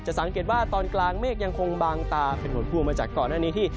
สังเกตว่าตอนกลางเมฆยังคงบางตาเป็นผลพวงมาจากก่อนหน้านี้ที่